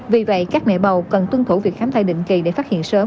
vì vậy các mẹ bầu cần tuân thủ việc khám thai định kỳ để phát hiện sớm